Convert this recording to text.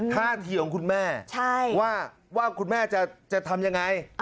ท่าทีของคุณแม่ว่าคุณแม่จะทำยังไง